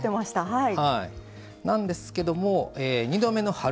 はい。